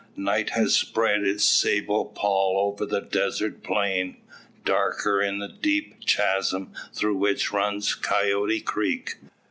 Night has spread its sable pall over the desert plain, darker in the deep chasm through which runs Coyote Creek.